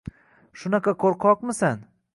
Shunaqa qo‘rqoqmisan!